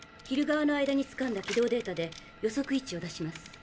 昼側の間につかんだ軌道データで予測位置を出します。